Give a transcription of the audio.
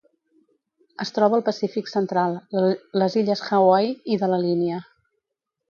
Es troba al Pacífic central: les illes Hawaii i de la Línia.